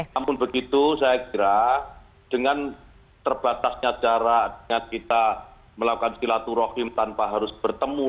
namun begitu saya kira dengan terbatasnya jarak dengan kita melakukan silaturahmi tanpa harus bertemu